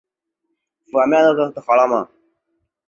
清朝第五代车臣汗。